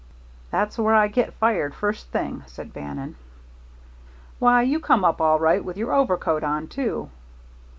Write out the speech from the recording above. "That's where I get fired first thing," said Bannon. "Why, you come up all right, with your overcoat on, too."